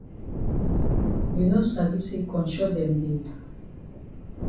You no sabi say konshot dem dey?